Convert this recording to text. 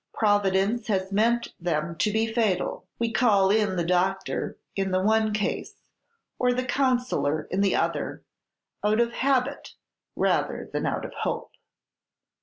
Providence has meant them to be fatal. We call in the doctor in the one case, or the counsellor in the other, out of habit rather than out of hope.